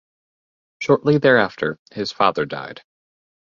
Shortly thereafter, his father died.